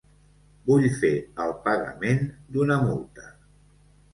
Vull fer el pagament d'una multa.